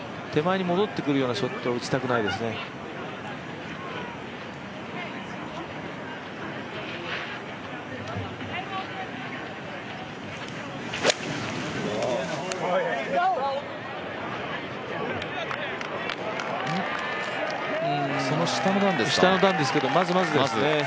手前に戻ってくるようなショットは打ちたくないですね。